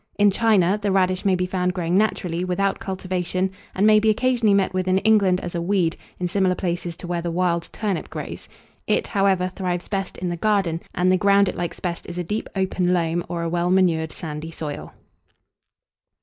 In China, the radish may be found growing naturally, without cultivation; and may be occasionally met with in England as a weed, in similar places to where the wild turnip grows; it, however, thrives best in the garden, and the ground it likes best is a deep open loam, or a well manured sandy soil.